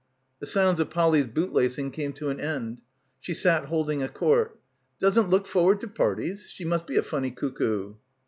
The sounds of Polly's bootlacing came to an end. She sat holding a court "Doesn't look forward to parties? She must be a funny cuckoo!"